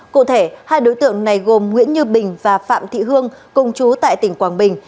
cụ thể hai đối tượng này gồm nguyễn như bình và phạm thị hương cùng chú tại tỉnh quảng bình